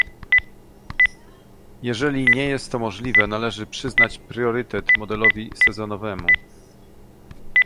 Jeżeli nie jest to możliwe, należy przyznać priorytet modelowi sezonowemu